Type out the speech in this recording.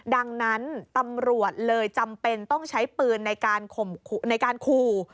ดังนั้นตำรวจเลยจำเป็นต้องใช้ปืนในการคู่